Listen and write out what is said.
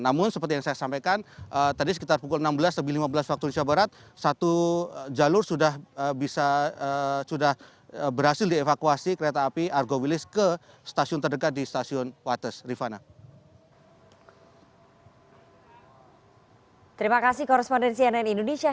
namun seperti yang saya sampaikan tadi sekitar pukul enam belas lebih lima belas waktu indonesia barat satu jalur sudah berhasil dievakuasi kereta api argo wilis ke stasiun terdekat di stasiun wates rifana